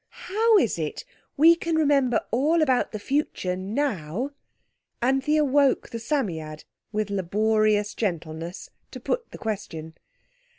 "How is it we can remember all about the future, now?" Anthea woke the Psammead with laborious gentleness to put the question.